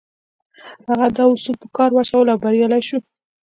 هغه دا اصول په کار واچول او بريالی شو.